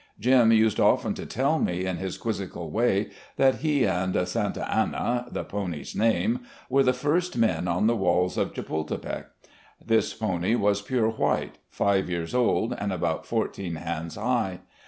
Jim used often to tell me, in his quizzical way, that he and "Santa Anna" (the pony's name) were the first men on the walls of Chepultepec. This pony was pure white, five years old and about fourteen hands high.